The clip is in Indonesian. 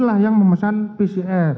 lah yang memesan pcr